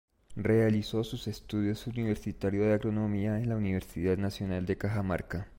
Realizó sus estudios universitario de agronomía en la Universidad Nacional de Cajamarca.